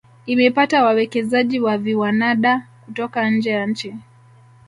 Imepata wawekezaji wa viwanada kutoka nje ya nchi